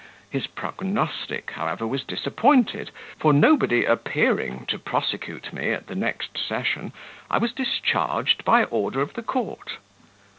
His prognostic, however, was disappointed; for nobody appearing to prosecute me at the next session, I was discharged by order of the court.